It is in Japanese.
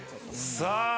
さあ。